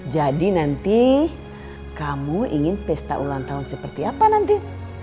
jadi nanti kamu ingin pesta ulang tahun seperti apa nanti